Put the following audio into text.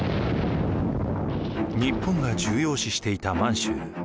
日本が重要視していた満州。